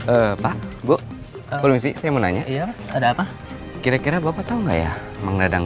apa bu aku sih saya mau nanya iya ada apa kira kira bapak tahu nggak ya mengadang